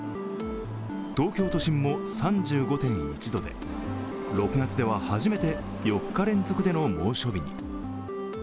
東京都心も３５．１度で、６月では初めて４日連続での猛暑日に。